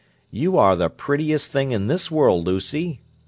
"You are the prettiest thing in this world, Lucy!"